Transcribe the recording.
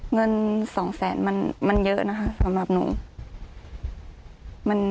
เงิน๒แสนมันเยอะนะคะสำหรับหนู